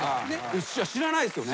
知らないですよね。